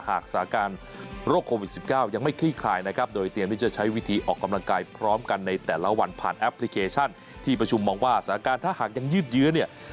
สถานการณ์โรคโควิด๑๙ยังไม่คลี่คลายนะครับโดยเตรียมที่จะใช้วิธีออกกำลังกายพร้อมกันในแต่ละวันผ่านแอปพลิเคชันที่ประชุมมองว่าสถานการณ์ถ้าหากยังยืดเยื้อเนี่ย